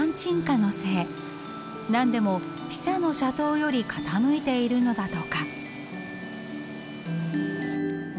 何でもピサの斜塔より傾いているのだとか。